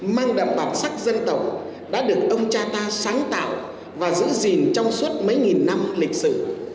mang đậm bản sắc dân tộc đã được ông cha ta sáng tạo và giữ gìn trong suốt mấy nghìn năm lịch sử